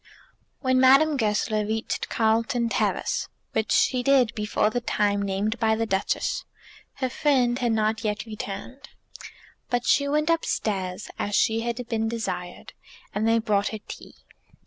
When Madame Goesler reached Carlton Terrace, which she did before the time named by the Duchess, her friend had not yet returned. But she went upstairs, as she had been desired, and they brought her tea.